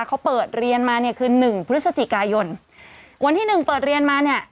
เขาเปิดเรียนมาเนี่ยคือหนึ่งพฤศจิกายนวันที่หนึ่งเปิดเรียนมาเนี่ย